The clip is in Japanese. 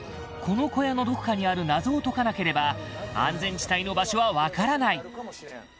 この小屋のどこかにある謎を解かなければ安全地帯の場所は分からない